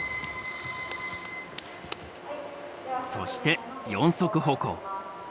そして四足歩行。